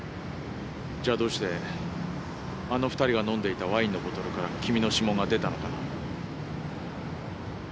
じゃあどうしてあの２人が飲んでいたワインのボトルから君の指紋が出たのかな。